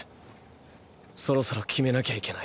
そろそろ決めなきゃいけない。